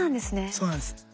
そうなんです。